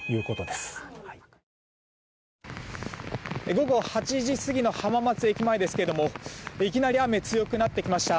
午後８時過ぎの浜松駅前ですけどもいきなり雨強くなってきました。